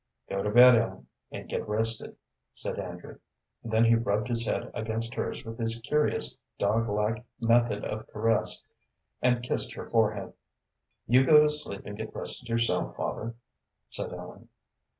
"Go to bed, Ellen, and get rested," said Andrew. Then he rubbed his head against hers with his curious, dog like method of caress, and kissed her forehead. "You go to sleep and get rested yourself, father," said Ellen.